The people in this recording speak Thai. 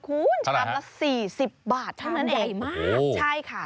คุณชามละ๔๐บาทชามใหญ่มากโอ้โฮใช่ค่ะ